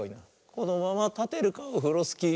「このままたてるかオフロスキー」